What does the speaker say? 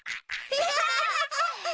アハハハハ！